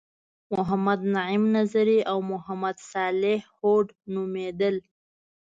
محمد نعیم نظري او محمد صالح هوډ نومیدل.